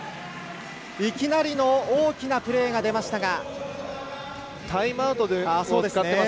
いきなりの大きなプレーが出ましたが。